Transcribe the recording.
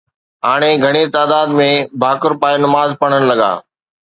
ھاڻي گھڻي تعداد ۾ ڀاڪر پائي نماز پڙھڻ لڳا